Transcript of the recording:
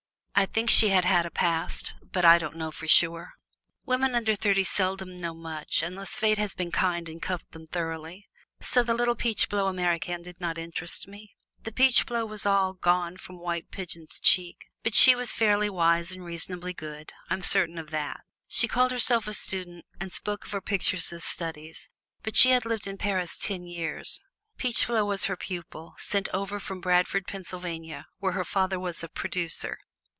I think she had had a Past, but I don't know for sure. Women under thirty seldom know much, unless Fate has been kind and cuffed them thoroughly, so the little peachblow Americaine did not interest me. The peachblow was all gone from White Pigeon's cheek, but she was fairly wise and reasonably good I'm certain of that. She called herself a student and spoke of her pictures as "studies," but she had lived in Paris ten years. Peachblow was her pupil sent over from Bradford, Pennsylvania, where her father was a "producer."